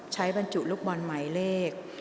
บรรจุลูกบอลหมายเลข